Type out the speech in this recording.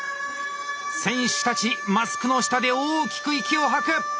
選手たちマスクの下で大きく息を吐く。